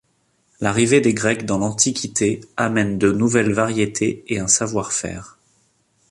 L'arrivée des Grecs dans l'Antiquité amène de nouvelles variétés et un savoir-faire.